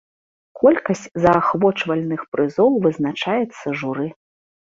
Колькасць заахвочвальных прызоў вызначаецца журы.